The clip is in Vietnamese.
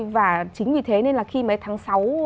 và chính vì thế nên là khi mấy tháng sáu